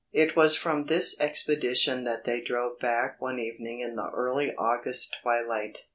It was from this expedition that they drove back one evening in the early August twilight.